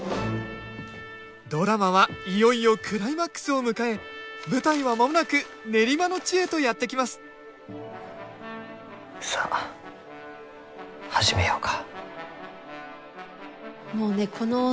ドラマはいよいよクライマックスを迎え舞台は間もなく練馬の地へとやって来ますさあ始めようか。